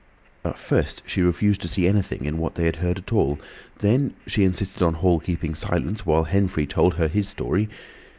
At first she refused to see anything in what they had heard at all. Then she insisted on Hall keeping silence, while Henfrey told her his story.